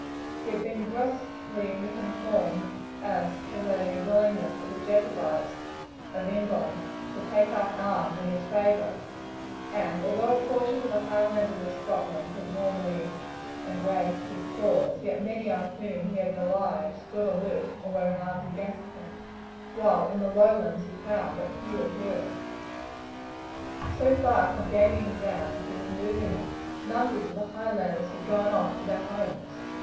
He had been grossly misinformed as to the willingness of the Jacobites of England to take up arms in his favour; and although a portion of the Highlanders of Scotland had warmly embraced his cause, yet many on whom he had relied stood aloof or were in arms against him, while in the Lowlands he had found but few adherents. So far from gaining ground, he was losing it. Numbers of the Highlanders had gone off to their homes.